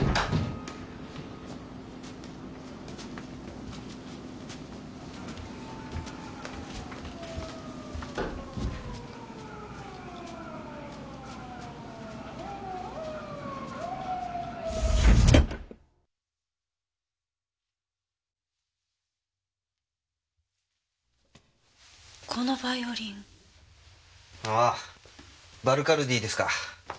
ああヴァルカルデイですか。